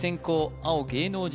青芸能人